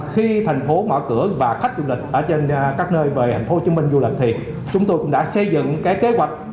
khi thành phố mở cửa và khách du lịch ở trên các nơi về thành phố hồ chí minh du lịch thì chúng tôi cũng đã xây dựng cái kế hoạch